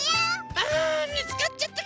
あみつかっちゃったか。